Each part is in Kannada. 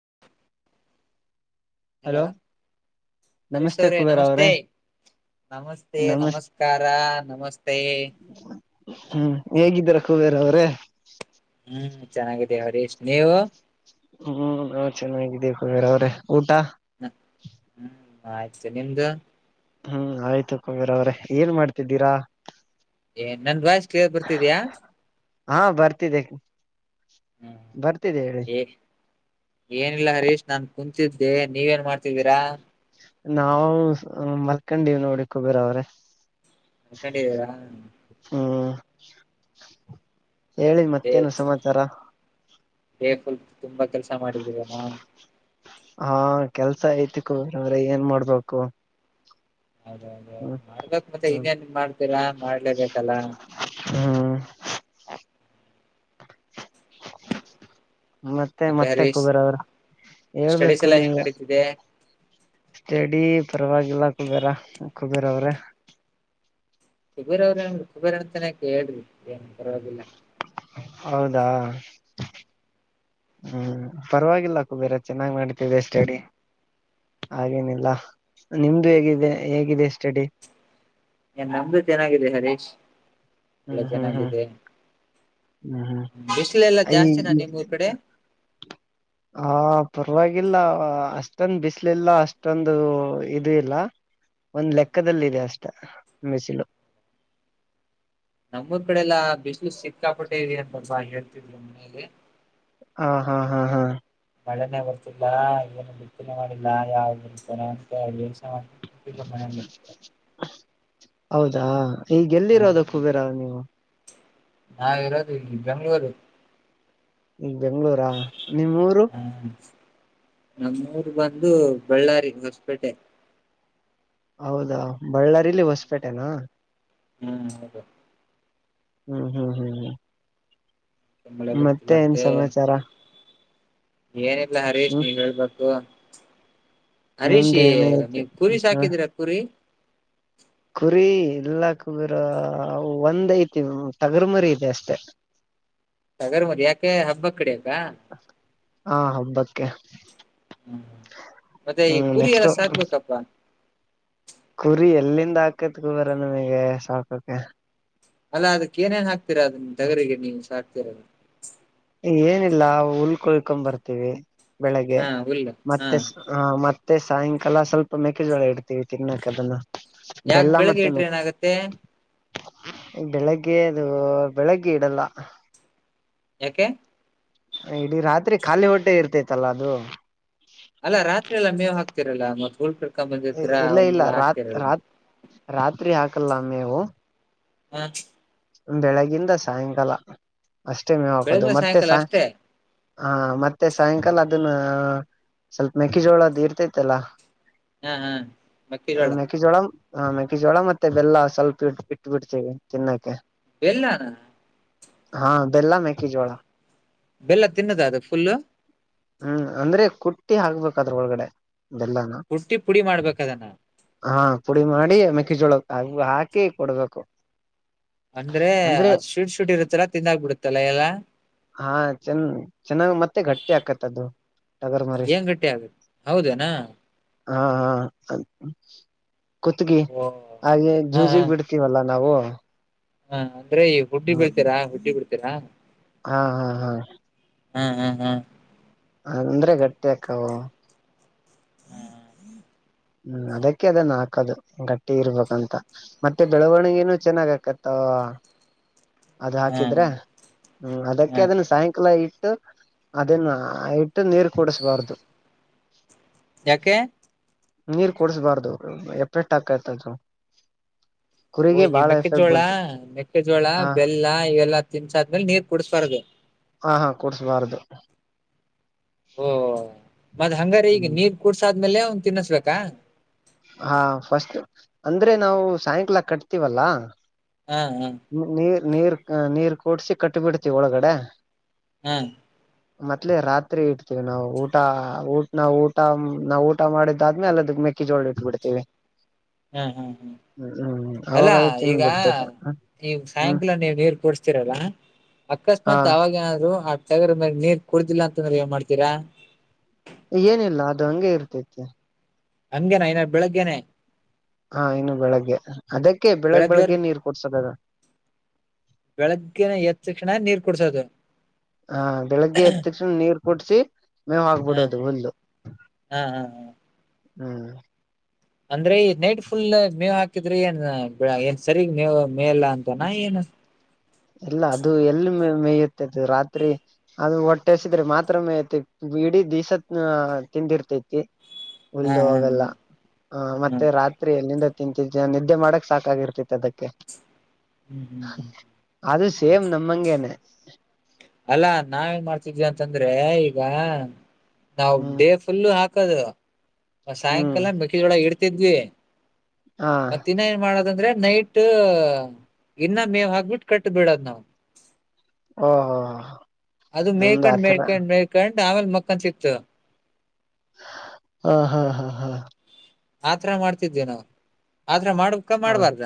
[inaudible] ಹಲೋ ಹರೀ ನಮಸ್ತೆ ಸ್ೌರೇ ಕುಬೇರ್ ಅವ್ರೇ ನಮಸ್ತೆ ನಮಸ್ತೆ ನಮಸ್ ನಮಸ್ಕಾರ ನಮಸ್ತೆ ಕುಬೇರ ಅವ್ರೆ ಹ್ಮ್ ಚೆನ್ನಾಗಿ ಏ ಹರೀೇಶನೇವ ಹ್ಮ್ ನಾ ಚೆನ್ನಾಗಿದ್ದೀವಿ ಕುಮೇರ್ ಅವ್ರೆ ಊಟ ಹ ಹ್ಮ ಆಸಲಿ ಎ್ದ ಹ್ಮ್ ಆಯ್ತು ಕೊಬರ ಅವ್ರೆ ಏನ್ ಮಾಡ್ತಿದ್ದೀರಾ ಏ ನಂದ್ ವಯ್ಸ ಕ್ಲಿಯರ್ ಬರ್ತಿದಯಾ ಹಾ ಬರ್ತಿದ್ದ ಹ್ಮ್ ಏನಿಲ್ಲ ಹರೀಶ್ ನಾನ್ು ಕುಂತಿದ್ದೆ ನೀವೇನ್ ಮಾಡ್ತಿದ್ದೀರಾ ನಾವವು ಮಲ್ಕೊಂಡಿ ನೋಡಕ್ಬೇರ ಅವ್ರೆ ಅ ಕಂಡಾ [unintelligible] ಹೇಳಿ ಮತ್ತೇನು ಸಮಾಚಾರ ಹೇಫವಲ್ಪ ತುಂಬಾ ಕೆಲ್ಸ ಮಾಡಿದೀವನಾ ಹಾ ಕೆಲ್ಸ ಯ್ತು ಕೋರ್ ಅಂದ್ರೆ ಏನ್ ಮಾಡ್ಬೇಕು ಹೌದೌದು ಹ್ಮ್ ಮಾಡ್ಬೇಕು ಮತ್ತೆ ಹ್ಮ್ ಇನ್ನೇನ್ ಮಾಡ್ತೀರಾ ಮಾಡ್ಲೇಬೇಕಲ್ಲ ಹ್ಮ್ ಮತ್ತೆ ಮತ್ತೆ ಕುಬೇರ ಅವ್ರ ಸ್ಟಡೀಸ್ ಹೇಳ್ಬೇಕು ಎಲ್ಲ ನೀವ ಹೆಂಗ್ ನಡೀತಿದೆ ಸ್ಟಡಿ ಪರವಾಗಿಲ್ಲ ಕುಬೇರ ಕುಬೇರ ಅವ್ರೆ ಕುಬೇರ ಅವ್ರೇ ಕುಬೇರ್ ಅಂತಾನ ಕೇಳ್ರಿ ಏನ್ ಪರವಾಗಿಲ್ಲ ಹೌದಾ ಹ್ಮ್ ಪರವಾಗಿಲ್ಲ ಕುಬೇರ ಚೆನ್ನಾಗ್ ಮಾಡ್ತವೆ ಅ ಸ ಅಡಿ ಹಾಗೇನಿಲ್ಲ ನಿಮ್ದ ಇದು ಹೇಗಿದೆ ಹೌದಾ ಹೇಗಿದೆ ಸ್ಟಡಿ ನಮ್ದು ಚೆನಾಗಿದೆ ಹರೀಶ್ ಎಲ್ಲ ಹ್ಮ್ ಹ್ಮ್ ಹ್ಮ್ ಚೆನ್ನಾಗಿದೆ ಹ್ಮ್ ಹ್ಮ್ ಬಿಸಿಲೆ ಎಲ್ಲಾ ಈ ಜಾಸ್ತಿನ ನಿಮ್ಮ್ೂರ್ ಕಡೆ ಹವಾಗಿಲ್ಲ ಅಷ್ಟೊಂದ್ ಬಿಸಿಲುಿಲ್ಲ ಅಷ್ಟೊಂದು ಇ ಇಲ್ಲ ಒಂದ್ ಲೆಕ್ಕಲ್ಲ ಇಿದೆ ಅಷ್ಟ ಬಿಸಿಲು ನಮ್ಮ ಕಡೆಲ್ಲ ಬಿಸಿ್ಲು ಸಿಕ್ಕಾಪಟ್ಟೆರಿ ಅಂತಲ್ಬಾ ಹೇಳ್ತಿದ್್ರರು ಮನೇಲಿ ಹಾ ಹಾ ಹಾ ಹಾ ಮಳೆನೇ ಬರ್ತಿಲ್ಲ ಏನು ಬಿತ್ತನೆ ಮಾಡಿಲ್ಲ ಯಾವತ ಅಂತಂತಿ ಹಾ ಮಳೆಯಲ್ಲಿ ಹೌದಾ ಈಗ್ ಎಲ್ ಇರೋದು ಕುಬೇರ ನೀವು ನಾವಿರೋದು ಇಲ್ಲಿ ಬೆಂಗ್ಳೂರು ಈ ಬೆಂಗ್ಗಳೂರಾ ನಿಮ್ಮ್ ಊರು ನಮ್ಮೂರ್ ಬಂದು ಬಳ್ಳಾರಿ ಹೊಸ್ಪೇಟೆ ಹೌದಾ ಬಳ್ಳಾರಿಲ್ಲಿ ಹೊಸ್ಪೇಟೆನಾ ಹ್ಮ್ ಹೌದು ಹ್ಮ್ ಹ್ಮ್ ಹ್ಮ್ ಹ್ಮ್ ಮಳೆ ಮತ್ತೆ ಏನ್ ಸಮಾಚಾರ ಏನೆ ಇಲ್ಲ ಹರೀಶ್ ಹ್ಮ್ ನೀವ್ ಹೇಳ್ಬೇಕು ನಮ್ದ ಹರೀಶಿ ಏನ ನೀವ ಐತೆ ಕುರಿ ಹ ಸಾಕಿದೀರಾ ಕುರಿ ಕುರಿ ಎಲ್ಲಾ ಕುಬೀರ ಒಂದ್ ಐತಿ ತಗರ್ಮರಿ ಇದೆ ಅಷ್ಟೇ ಸಗರ್ ಮದ ಯಾಕೆ ಹಬ್ಬ ಕಡೆ ವ್ಯ ಹಾ ಹಬಕ್ಕೆ ಹ್ಮ ಮತ್ತೆ ಈ ಕುರಿ ನೆಕ್ಸ್ಟ್ ಎಲ್ಲ ಸಾಕ್ಬೇಕಪ್ಪಾ ಕುರಿ ಎಲ್ಲಿಂದ ಹಾಕತ್ ಕುಬೇರ ನಮ್ಗೆ ಸಾಕೋಕ ಅಲ್ಲ ಅದ್ ಏನೇನ್ ಹಾಕ್ತಿರ ಅದ್ ತಗರಿಗೆ ನೀವ್ ಸಾಕ್ ತೆರ ಏನಿಲ್ಲ ಉಲ್ ಕುಯ್ಕೋ ಬರ್ತೀವಿ ಬೆಳಗ್ಗೆ ಹಾ ಹುಲ್ಲು ಹಾ ಮತ್ತೆ ಸ ಮತ್ತೆ ಮತ್ತೆ ಸಾಯಂಕಾಲ ಸ್ವಲ್ಪ ಮೇಕೆ ಜೋಳ ಇಡ್ತೀವಿ ತಿನ್ನಾಕದನ್ನ ಯಾಕ್ ಬೆಳಗ್ಗೆ ಇಟ್ರೆ ಏನಾಗತ್ತೆ ಬೆಳಗ್ಗೆ ಅದು ಬೆಳಗ್ಗೆ ಇಡಲ್ಲ ಯಾಕೆ ಇಡೀ ರಾತ್ರಿ ಖಾಲಿ ಹೊಟ್ಟೆ ಇರ್ತೈತಲ್ಲ ಅದು ಅಲ್ಲಾ ರಾತ್ರಿ ಎಲ್ಲಾ ಮೇವ್ ಹಾಕ್ತಿರಲ್ಲಾ ಮತ್ತ್ ಉಲ್ ಕುಯ್ಕೋ ಬಂದಿರ್ತಿರಲ್ಲ ಇಲ್ಲ ಅ ಉಲ್ ಇಲ್ಲ ಎಲ್ಲಾ ರಾತ್ ಹಾಕ್ತಿರಲ್ಲ ರಾತ್ ರಾತ್ರಿ ಹಾಕಲ್ಲ ಮೇವು ಹ ಬೆಳಗಿಂದ ಸಾಯಂಕಾಲ ಅಷ್ಟೇ ಮೇವ್ ಹಾಕದು ಬೆಳಗ್ಗೆ ಮತ್ತೆ ಸಾಯಂಕಾಲ ಸಯ್ ಅಷ್ಟೇ ಹ ಮತ್ತೆ ಸಾಯಂಕಾಲ ಅದನ್ನ ಸ್ವಲ್ಪ ಮೆಕ್ಕೆಜೋಳ ಅದ್ ಇರ್ತೈತೆಲ್ಲ ಹಾ ಹಾ ಮಕ್ಕಿಜೋಳ ಹಾ ಮೆಕ್ಕಿಜೋಳ ಮತ್ತೆ ಬೆಲ್ಲ ಸ್ವಲ್ಪ ಇ ಇಟ್ಟ ಬಿಡ್ತೇವಿ ತಿನ್ನಕ್ಕೆ ಬೆಲ್ಲಾನ. ಹಾ ಬೆಲ್ಲ ಮೇಕೆಜೋಳ. ಬೆಲ್ಲ ತಿನ್ನದ ಅದು ಫುಲ್ಲು. ಹ್ಮ್ ಅಂದ್ರೆ ಕುಟ್ಟಿ ಹಾಕ್ಬೇಕು ಅದ್ರು ಒಳಗಡೆ. ಬೆಲ್ಲಾನ ಕುಟ್ಟಿ ಪುಡಿ ಮಾಡ್ಬೇಕ ಅದುನ್ನ. ಪುಡಿಮಾಡಿ ಮೆಕ್ಕಜೋಳ ಅವು ಹಾಕಿ ಕೊಡ್ಬೇಕು. ಅಂದ್ರೆ ಅದ್ ಶೂಟ್ ಶೂಟ್ ಇರುತ್ತಲ್ಲಾ ತಿಂದಾಗಬಿಡುತ್ತಲ್ಲಾ ಎಲ್ಲ. ಹಾ ಚನ್ ಚೆನ್ನಾಗ್ ಮತ್ತೆ ಗಟ್ಟಿ ಆಕತ್ ಅದು. ಟಗರ್ ಮರಿ ಏನ್ ಗಟ್ಟಿ ಆಗುತ್ತ ಹೌದೇನಾ. ಹಾ ಹಾ ಅ ಕುತ್ಗಿ ಓ ಹಾಗೆ ಹಾ ಹಾ ಜೂಜಿಗ್ ಬಿಡ್ತೀವಲ್ಲ ನಾವು. ಹ ಹಾ ಅಂದ್ರೆ ಹುಡ್ಡಿಗ್ ಬಿಡ್ತೀರ ಹುಡ್ಡಿ ಹಾ ಹಾ ಹಾ ಹಾ ಹ್ಮ್ ಹ್ಮ್ ಹಾ ಅಂದ್ರೆ ಗಟ್ಟಿಕ್ಕವು. ಹ್ಮ್ ಅದಕ್ಕೆ ಅದನ್ನ ಹಾಕದು ಗಟ್ಟಿ ಇರ್ಬೇಕಂತ ಮತ್ತೆ ಬೆಳವಣಗನೂ ಚೆನ್ನಾಗ್ ಆಕತ್ತವ. ಅದ ಹ್ಮ್ ಹಾಕಿದ್ರೆ ಹ್ಮ ಅದಕ್ಕೆ ಹ್ಮ್ ಅದನ್ನ ಸಾಯಂಕಾಲ ಇ ಟ್ಟು ಅದನ ನೀರು ಕುಡಿಸಬಾರ್ದು. [inaudible] ಯಾಕೆ. ನೀರ್ ಕುಡ್ಸ್ಬಾರ್ದು ಎಪ್ಪೆಟ್ಟ ಹಾಕೈತೆ ಅದು. ಓ ಈ ಮೆಕ್ಕೆಜೋಳ ಮೆಕ್ಕೆಜೋಳ ಹಾ ಬೆಲ್ಲ ಇವೆಲ್ಲಾ ತಿನ್ಸಾದ್ಮೇಲೆ ನೀರ್ ಕುಡ್ಸ್ಬಾರ್ದು. ಹಾ ಹಾ ಕುಡ್ಸ್ಬಾರ್ದು ಓ ಮದ್ ಹಂಗಾರ ಈಗ ಹ್ಮ್ ನೀರ್ ಕುಡ್ಸ ಆದ್ಮೇಲೆ ಅವನ್ ತಿನ್ನಸ್ಬೇಕಾ. ಹಾ ಫಸ್ಟ್ ಅಂದ್ರೆ ನಾವು ಸಾಯಂಕಾಲ ಕಟ್ತೀವಲ್ಲ. ಹ್ಮ್ ಹ್ಮ್ ನೀರ್ ನೀರ್ ಕುಡ್ಸಿ ಕಟ್ಟಿ ಬಿಡ್ತಿವಿ ಒಳಗಡೆ. ಹ ಮತ್ಲೇ ರಾತ್ರಿ ಇಡ್ತೀವಿ ನಾವು ಊಟ ಊಟ ನಾವ್ ಊಟ ನಾವ್ ಊಟ ಮಾಡಿದ್ದಾದ್ಮೇ ಅದು ಕಿಜೋಳ ಇಟ್ಬಿಡ್ತೇವಿ. ಹ್ಮ್ ಹ್ಮ್ ಹ್ಮ್ ಅವಾಗ ಅಲ್ಲಾ ಅದು ತಿಂದ್ ಈಗ ಬಿಡ್ತತೆ ಈ ಹ್ಮ್ ಸಾಯಂಕಾಲ ನೀವು ನೀರ್ ಕುಡ್ಸ್ತೀರಲ್ಲ ಹಾ ಅಕಸ್ಮಾತ್ ಅವಾಗೇಏನಾದ್ರು. ಟಗರುಮರಿ ನೀರ್ ಕುಡುದಿಲ್ಲಾ ಅಂತಂದ್ರೆ ಏನ್ ಮಾಡ್ತೀರಾ. ಏನಿಲ್ಲ ಅದು ಹಂಗೆ ಇರ್ತೈತಿ. ಹಂಗೇನ ಇನ್ನ ಬೆಳಗ್ಗೆನೆೇ. ಹಾ ಇನ್ನು ಬೆಳಗ್ಗೆ ಅದಕ್ಕೆ ಬೆಳಗ್ ಬೆಳಗ್ಗರ್ ಬೆಳಗ್ಗೆ ನೀರ್ ಕೊಡ್ಸದದ ಬೆಳಗ್ಗೆನೆ ಎದ್ ತಕ್ಷಣ ನೀರ್ ಕುಡ್ಸೋದು ಹಾ ಬೆಳಿಗ್ಗೆ ಎತ್ತ ತಕ್ಷಣ ನೀರ್ ಕುಡ್ಸಿ ಮೇವ್ ಹ ಹಕ್ಬಿಡೋದು ಹುಲ್ದು ಹಾ ಹಾ ಹಾ ಹ್ಮ್ ಅಂದ್ರೆ ನೆಟ್ ಫುಲ್ ಮೇವು ಹಾಕಿ ಹಾಕಿದ್ರೆ ಏನ್ ಏನ್ ಸರಿಗ್ ನೀವು ಮೇಯಲ್ಲಾ ಅಂತ ನ ಏನ ಎಲ್ಲ ಅದು ಎಲ್ಲಿ ಮೇಯುತ್ತದು ರಾತ್ರಿ ಅದು ಹೊಟ್ಟೆಸಿದ್ರೆ ಮಾತ್ರ ಮೇಯತ್ತೈ ಇಡೀ ದಸತ್ ತಿಂದಿರ್ತೈತಿ ಹಾ ಉುಲ್ಲು ಹಾ ಹೆಲ್ಲ ಹ ಹಾ ಮತ್ತೆ ರಾತ್ರಿ ಎಲ್ಲಿಂದ ತಿಂತಿದ್ದ ನಿದ್ದೆ ಮಾಡಕ್ ಸಾಕಾಗಿರ್ತತಿ ಅದಕ್ಕೆ ಹ್ಮ್ ಹ್ಮ್ ಹ್ಮ್ ಅದು ಸೇಮ್ ನಮ್ಮಂಗೇನೆ ಅಲ್ಲಾ ನಾವ ಏನ್ ಮಾಡ್ತಿದ್ದಿ ಅಂತಂದ್ರೆ ಈಗ ಹಾ ನಾವ್ ಹ್ಮ್ ಬೇ ಫುಲ್ಲು ಹಾಕ ಕ್ಕದ ಹ್ಮ್ ಸಾಯಂಕಾಲ ಮಿಿದೊಳ ಇಡ್ ದ ಹಾ ಮತ್ತ ಇನ್ನ ಏನ್ ಮಾಡದಂದ್ರೆ ನೈಟ್ ಇನ್ನ ಮೇವ್ ಹಾಕ್ಬಿಟ್ಟು ಕಟ್ಟ ಬಿಡದ್ ನಾವವು ಹ ಹಾ ಹ ಅದು ಮೇಕಂಡ್ ಮೇಳ್ಕಂಡ್ ಮೇಕಂಡ್ ಆಮೇಲೆ ಮಕ್ಕಂತ ಸಿ ಇತ್ತು ಹಾ ಹಾ ಹಾ ಹಾ ಆತರ ಮಾಡ್ತಿದ್ವಿ ನಾ ತ್ರ ಮಾಡ್ಕ ಮಾಡ್ಬಾರ್ದ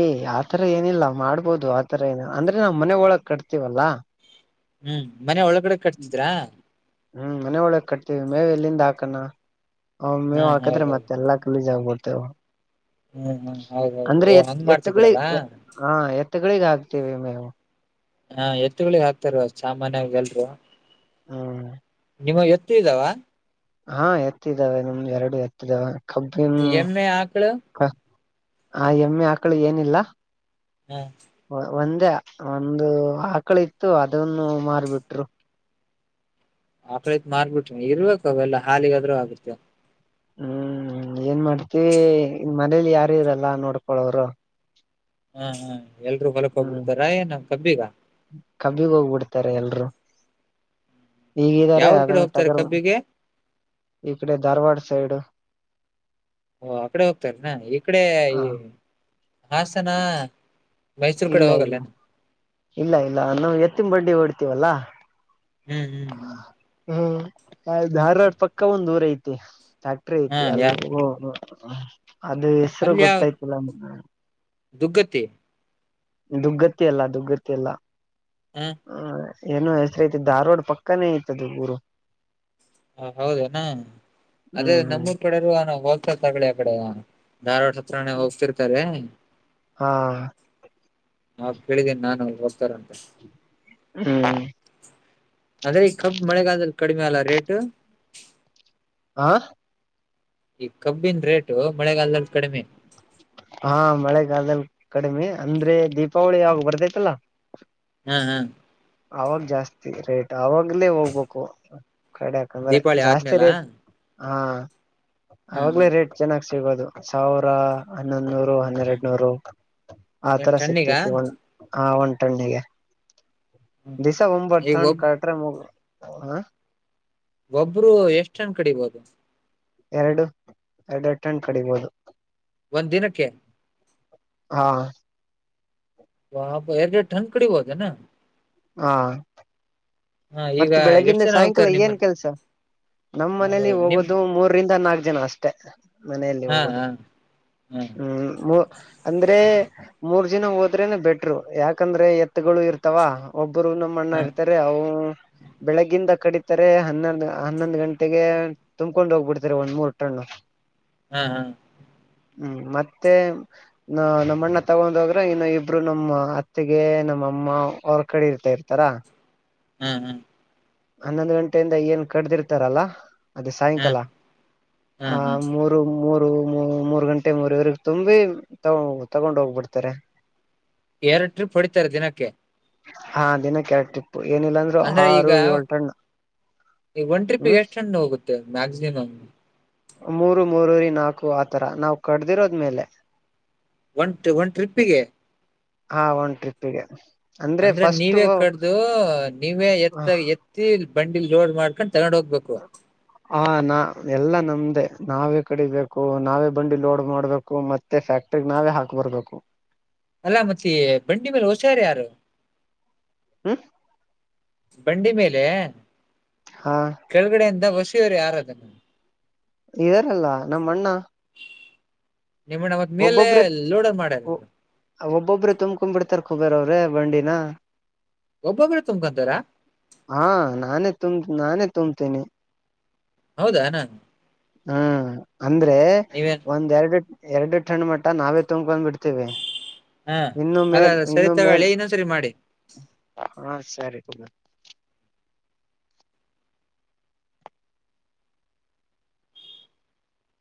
ಏ್ ಆತರ ಏನಿಲ್ಲ ಮಾಡ್ಬೋದು ಆತರ ಏನ ಅಂದ್ರೆ ನಾ್ ಮನೆ ಒಳಗ್ ಕಟ್ತಿೀವಲ್ಲ ಹ್ಮ್ ಮನೆ ಒಳ ಹೊಗಡೆ ಕಟ್ತಿದ್ರಾ ಹ್ಮ್ ಮನೆ ಒಳಗ್ ಕಟ್ತೀವಿ ಮೇವ ಎಲ್ಲಿಂದ ಹಾಕಣ ಹ್ಮ್ ಅವ್ೇವ್ಾಕಿದ್ರೆ ಹೌದೌದು ಮತ್ತೆಲ್ಲಾ ಕಲೂಜ ಆಗ್ಬೋದು ತ್ತ ಹ್ಮ್ ಹ್ಮ್ ಹೌದೌದು ಅಂದ್ರೆ ಓ ಎತ್ ಹಂಗ್ ಎತ್ತುಗಳಿಗ್ ಮಾಡ್ತಿದ್ರಲ್ಲಾ ಹಾ ಎತ್ತುಗಳಿಗ ಆಗ್ ಮ ಹ ಹಾ ಎತ್ತುಗಳಿಗೆ ಹಾಕ್ತಾರ ಸಾಮಾನ್ಯಾಗ ಎಲ್ರು ಹ್ಮ ನಿಮ್ಮವು ಎತ್ತು ಇದವ. ಹಾ ಎತ್ತಿದ್ದಾವೆ ನಮ್ದ ಎರಡು ಎತ್ತಿದಾವ. ಎಮ್ಮೆ ಹಕ್ಳ. ಆ ಎಮ್ಮೆ ಆಕ್ಳು ಏನಿಲ್ಲ. ಹ್ಮು. ಒಂದೇ ಒಂದು ಆಕಳಿತ್ತು ಅದನ್ನೂ ಮಾರ್ಬಿಟ್ರು. ಆಕಳಿತ್ ಮಾರ್ಬಿಟ್ರೆನ್ ಇರ್ಬೇಕ ಅವೆಲ್ಲಾ ಹಾಲಿಗಾದ್ರೂ ಆಗುತ್ತೆ. ಹ್ಮೂ ಏನ್ ಮಾಡ್ತಿ, ಮನೇಲಿ ಯಾರು ಇರಲ್ಲ ನೋಡ್ಕೊಳೋರು. ಹಾ ಹು. ಎಲ್ರೂ ಹೊಲಕ್ ಹ್ಮ್ ಹೋಗ್ಬಿಡ್ತಾರ ಏನು ಕಬ್ಬಿಗ? ರೆಎಲ್ರೂ. ಹೀಗಿಗಾರ ಯಾವ್ರ ಕಡೆ ಯಾವ್ದಾನ ಹೋಗ್ತಾರೆ ಟಗರು ಕಬ್ಬಿಗೆ ಈ ಕಡೆ ಧಾರವಾಡ ಸೈಡು ಓ ಆಕಡೆ ಹೋಗ್ತಾರೇನ ಈ ಕಡೆ ಹ ಈ ಹಾಸನಾ ಇಲ್ಲ ಇಲ್ಲ, ಇಲ್ಲ ಇಲ್ಲ ನಾವ್ ಎತ್ತಿನ ಬಂಡಿ ಹೊಡೀ ತಿವಲ್ಲ. ಹ್ಮ್ ಹು ಹೂ. ಹ್ಮ್ ಯಾವ್ದ್ ಧಾರವಾಡ್ ಪಕ್ಕ ಒಂದ್ ಊರ್ ಐತಿ ಫ್ಯಾಕ್ಟ್ರಿ ಹಾ ಐತಿ ಯಾ ಅಲ್ಲಗ್ [unintelligible] [unintelligible] ಅದ ಹೆಸ್ರ್ ಗೊತ್ತಾಯ್ತಿಲ್ಲ [unintelligible] ದುಗ್ಗತ್ತಿ. ದುಗ್ಗತ್ತಿ ಅಲ್ಲ ದುಗ್ಗತ್ತಿ ಅಲ್ಲ ಹ ಹ್ಞಾಂ ಅದೇ. ಏನೋ ಹೆಸ್ರೈತಿ ಧಾರ್ವಾಡ್ ಪಕ್ಕಾನೇ ಐತದು ಊರು ಆ ಹೌದೇನ? ಅದೇ ಹ್ಮ್ ಹ್ಮ್ ನಮ್ಮೂರ್ ಕಡೆರೂ [unintelligible] ಹೋಲ್ಸೇಲ್ ತಗಳಿ [unintelligible] ಧಾರ್ವಾಡ್ ಹತ್ರನೇ ಹೋಗ್ತಿರ್ತಾರೆ. ಹಾ ನಾವ್ ಕೇಳಿದೀನ್ ನಾನು ಹೋಗ್ತಾರಾ [unintelligible] ಅಂದ್ರೆ ಈ ಕಬ್ ಮಳೆಗಾಲದಲ್ಲಿ ಕಡಿಮೆ ಅಲ್ಲ ರೇಟ್ ಟ. ಆ. ಈ ಕಬ್ಬಿನ್ ರೇಟು ಮಳೆಗಾಲ್ದಲ್ಲಿ ಕಡಿಮೆ. ಹಾ ಮಳೆಗಾಲ್ದಲ್ ಕಡಿಮಿ ಅಂದ್ರೆ ದೀಪಾವಳಿ ಯಾವಾಗ್ ಬರ್ತೈತಲ ಹಾಹಾ. ಅವಾಗ್ ಜಾಸ್ತಿ ರೇಟ್, ಅವಾಗ್ಲೇ ಹೋಗ್ಬೇಕು. ಕಡೆಕ ಅಂದ್ರ ದೀಪಾವಳಿ ಜಾಸ್ತಿ ಆದ್ಮೇಲ ರೇಟ್ ಹಾ ಹ್ಮ್ ಅವಾಗ್ಲೇ ರೇಟ್ ಚೆನ್ನಾಗ ಸಿಗೋದು ಸಾವಿರ ಹನ್ನೊಂದುನ್ರು ಹ್ಮ್ ಹನ್ನೆರಡ್ ನೂರು ಹ್ಮ್ ಆತರ ಟನ್ನಿಗ ಸಿಗತೈತಿ ಒ ಹಾ ಉಂಟುಣ್ಣಿಗೆ ಹ್ಮ್ ಈಗ ಒಬ್ [unintelligible] ಹಾ ಒಬ್ರು ಎಷ್ಟ ಅಂತ ಕಡಿಬೋದು ಎರಡು ಎರಡೆರಡು ಟನ್ ಕಡಿಬೋದು ಒಂದ್ ದಿನಕ್ಕೆ ಹಾ ವಾ ಪಾ ಎರಡೆರಡು ಟನ್ ಕಡಿಬೋದೇನು ಹಾ ಈಗ ಮತ್ತೆ ಎಷ್ಟ್ ಬೆಳಗಿಂದ ಜನ ಸಾಯಂಕಾಲ ಹೋಗ್ತಾರೆ ನಿಮ್ಮ ಏನ್ ಕೆಲ್ಸ ನಮ್ಮ್ ಮನೇಲಿ ನಿಮ್ ಹೋಗೋದು ಮೂರರಿಂದ ನಾಕ ಜನ ಅಷ್ಟೇ ಮನೆಯಲ್ಲಿ ಹಾ ಹೋಗುದು ಹಾ ಹಾ ಹ್ಮ್ ಅಂದ್ರೆ ಮೂರ್ ಜಿನ ಹೋದ್ರೆನೆ ಬೆಟ್ರು ಯಾಕಂದ್ರೆ ಎತ್ಗಳು ಇರ್ತಾವ ಒಬ್ಬ ಒಬ್ಬರು ನಮ್ಮ ಅಣ್ಣ ಹಾ ಇರ್ತಾರೆ ಅವು ಬೆಳಗ್ಗಿಂದ ಕಡಿತಾರೆ ಹನ್ನೊಂದು ಹನ್ನೊಂದು್ ಗಂಟೆಗೆ ತುಂಬಕೊಂಡ್ ಹೋಗ್ಬಿಡ್ತಾರೆ ಒಂದ್ ಮೂರ್ ಟಣ್ಣು ಹ್ಮ್ ಹ್ಮ್ ಹ್ಮ್ ಮತ್ತೆ ನ ನಮ್ಮ ಅಣ್ಣ ತಗೊಂಡೋಗ್ರೆ ಇನ್ನು ಇಬ್ರು ನಮ್ಮ ಅತ್ತಿಗೆ ನಮ್ಮಮ್ಮ ಅವ್ರ ಕಡೆ ಇರ್ತಾ ಇರ್ತಾರ ಹ್ಮ್ ಹ್ಮ್ ಹನ್ನೊಂದು್ ಗಂಟೆಯಿಂದ ಏನ್ ಕಡ್ದಿರ್ತಾರಲ್ಲ ಅದೇ ಸಾಯಂಕಾಲ ಹಾ ಆ ಹಾ ಮೂರು ಮೂರು ಮೂ ಮೂರ್ ಗಂಟೆ ಮೂರವರೆಗ ತುಂಬಿ ತಗೊಂಡ್ ತಗೊಂಡ್ ಹೋಗ್ಬಿಡ್ತಾರೆ ಎರಡು ಟ್ರಿಪ್ ಹೊಡಿತಾರೆ ದಿನಕ್ಕೆ ಹಾ ದಿನಕ್ಕೆರೆಕ್ ಇ ಏನಿಲ್ಲಾಂದ್ರರು ಆರು ಏಳ್ಟಣ್ಣ ಈ ಒ ಟ್ರಿಿಗೆ ಎಷ್ಟುಣ್ಣ ಹೋಗುತ್ತೆ ಮಕ್ಸಿಮಮ ಮೂರು ಮೂರರಿ ನಾಕು ಆತರ ನಾವ್ ಕಡ್ದಿರೋದ್ಮೇಲೆ ಒಂದು ಒಂದು ಟ್ರಿಪ್ಪಿಗೆ ಹಾ ಒಂದು ಟ್ರಿಪ್ಪಿಗೆ ಅಂದ್ರೆ ನೀವೇ ಕಡ್ದು ನೀವೇ ಎತ್ತ ಎತ್ತಿ ಬಂಡಿಲ್ ಜೋಡ್ ಮಾಡ್ಕ ಹಾ ನಾ ಎಲ್ಲಾ ನಮ್ದೇ ನಾವೇ ಕಡಿಬೇಕು ನಾವೇ ಬಂಡಿ ಲೋಡ್ ಮಾಡ್ಬೇಕು ಮತ್ತೆ ಫ್ಯಾಕ್ಟ್ರಗ್ ನಾವೇ ಹಾಕ್ ಬರ್ಬೇಕು ಅಲ್ಲಾ ಮತ್ತೆ ಬಂಡಿ ಮೇಲೆ ಹುಷಾರ ಯಾರು ಹ್ಮ ಬಂಡಿ ಮೇಲೆ ಹಾ ಕೆಳಗಡೆ ಎಂತ ಷ ಸರಿ ಯಾರ್ದ ಇದಾರಲ್ಲ ನಮ್ಮ ಅಣ್ಣ ನಿಮ್ಮಣ್ಣ ಮತ್ ಮೇಲೆ ಒಬ್ಬೊಬ್ಬರು ಲೋಡರ್ ಮಾಡ್ಯಾರ ಒಬ್ಬೊಬ್ಬರು ತುಂಬಕೊ್ ಬಿಡ್ತಾರ ಖೋಬರ ಅವರು ೇ ಬಂಡಿನ ಒಬ್ಬೊಬ್ರೆ ತುಂಬ್ಕೊಂತಾರ ಹಾ ನಾನ ತು ನಾನ ತ್ತಂತನೆಿ ಹೌದಾನಾ ಹ್ಮ್ ಅಂದ್ರೆ ನೀವೇನ್ ಒಂದ್ೆರಡು ಎರಡು ಠಣ್ ಮಟ್ಟ ನಾವೇ ತು್ಕೊಂಡ್ಬ ಬಿತವಿ ಹಾ ಇನ್ನು ಅಲ್ಲ ಮೇಲ್ ಅಲ್ಲ ಸರಿ ಇನ್ನು ಮೇಲ್ ತಗೊಳ್ಳಿ ಇನ್ನೊಂದ್ಸರಿ ಮಾಡಿ ಹ ಸರಿ ಹೌದ [unintelligible]